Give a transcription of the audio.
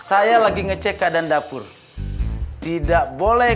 hai saya lagi ngecek keadaan dapur tidak boleh